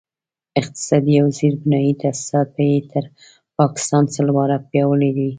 اقتصادي او زیربنایي تاسیسات به یې تر پاکستان سل واره پیاوړي وي.